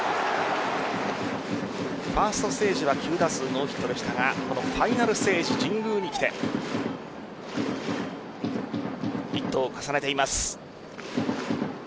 ファーストステージは９打数ノーヒットでしたがこのファイナルステージ神宮に来てヒットを重ねています。